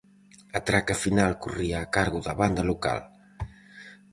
A traca final corría a cargo da banda local.